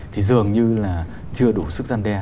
thì dường như là chưa đủ sức gian đe